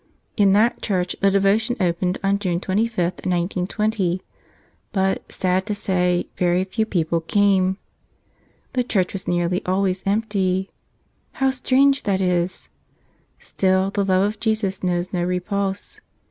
In that church the Devotion opened on June 25, 1920. But, sad to say, very few people came. The church was nearly always empty. How strange that is. Still the love of Jesus knows no repulse.